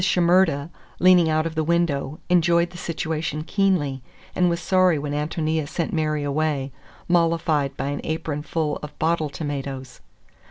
Shimerda, leaning out of the window, enjoyed the situation keenly, and was sorry when Ántonia sent Mary away, mollified by an apronful of bottle tomatoes.